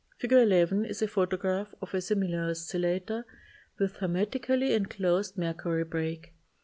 Fig. 11 is a photograph of a similar oscillator with hermetically inclosed mer cury break.